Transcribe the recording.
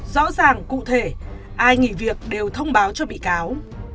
rõ ràng cụ thể ai nghỉ việc đều thông báo cho bị cáo